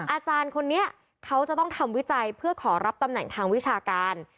อาจารย์คนนี้เขาจะต้องทำวิจัยเพื่อขอรับตำแหน่งทางวิชาการ